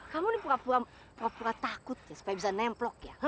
kamu ini pura pura takut ya supaya bisa nempluk ya